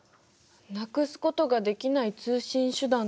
なくすことができない通信手段でもあるのね。